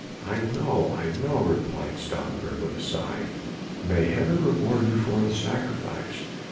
"I know, I know," replied Stoutenburg with a sigh, "may Heaven reward you for the sacrifice.